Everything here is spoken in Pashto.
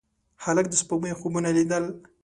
هلک د سپوږمۍ خوبونه لیدل.